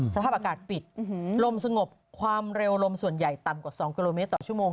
สภาพอากาศปิดลมสงบความเร็วลมส่วนใหญ่ต่ำกว่า๒กิโลเมตรต่อชั่วโมง